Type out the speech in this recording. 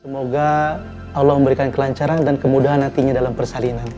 semoga allah memberikan kelancaran dan kemudahan nantinya dalam persalinan